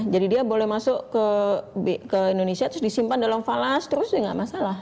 jadi dia boleh masuk ke indonesia terus disimpan dalam falas terus itu tidak masalah